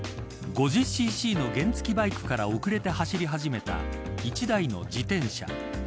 ５０ｃｃの原付バイクから遅れて走り始めた１台の自転車。